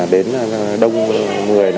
đến đông người